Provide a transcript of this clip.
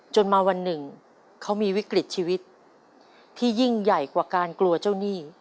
จนมาวันหนึ่งเขามีวิกฤตชีวิตที่ยิ่งใหญ่กว่าการกลัวเจ้าหนี้